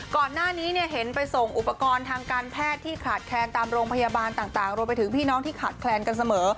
ก่อนหน้านี้เห็นไปส่งอุปกรณ์ทางการแพทย์ที่ขาดแคลนตามโรงพยาบาลต่างรวมไปถึงพี่น้องที่ขาดแคลนกันเสมอ